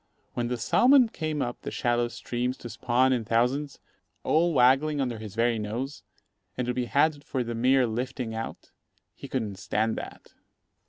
When the salmon came up the shallow streams to spawn in thousands, all waggling under his very nose, and to be had for the mere lifting out, he couldn't stand that.